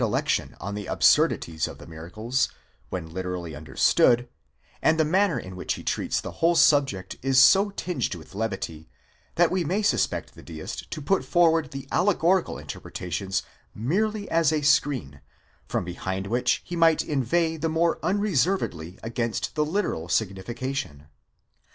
lection on the absurdities of the miracles, when literally understood, and the manner in which he treats the whole subject is so tinged with levity, that 'we may suspect the Deist to put forward the allegorical interpretations merely as a screen, from behind which he might inveigh the more unreservedly against the literal signification.